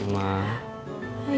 mas makasih ma